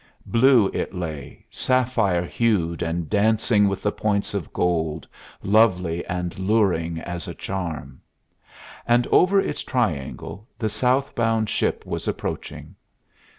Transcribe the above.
Blue it lay, sapphire hued and dancing with points of gold, lovely and luring as a charm; and over its triangle the south bound ship was approaching.